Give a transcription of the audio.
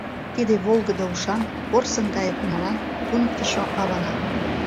Тиде волгыдо ушан, Порсын гае кумылан, Туныктышо-авана.